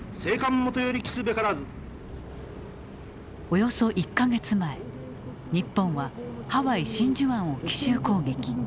およそ１か月前日本はハワイ真珠湾を奇襲攻撃。